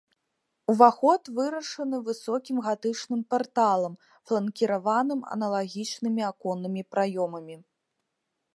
Уваход вырашаны высокім гатычным парталам, фланкіраваным аналагічнымі аконнымі праёмамі.